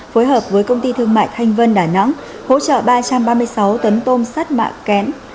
phối hợp với công ty thương mại thanh vân đà nẵng hỗ trợ ba trăm ba mươi sáu tấn tôm sắt mạ kém